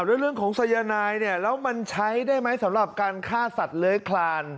เรื่องของสายนายเนี่ยแล้วมันใช้ได้ไหมสำหรับการฆ่าสัตว์เลื้อยคลาน